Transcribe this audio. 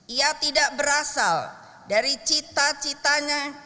ia tidak berasal dari cita citanya